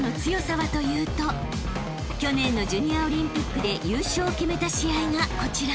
［去年のジュニアオリンピックで優勝を決めた試合がこちら］